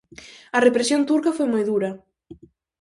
A represión turca foi moi dura.